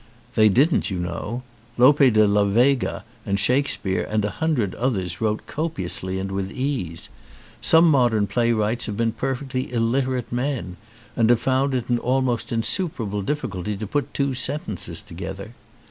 "They didn't, you know. Lope de la Vega and Shakespeare and a hundred others wrote copiously and with ease. Some modern playwrights have been perfectly illiterate men and have found it an almost insuperable difficulty to put two sentences together.